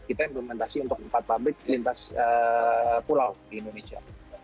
kita implementasi untuk empat pabrik lintas pulau di indonesia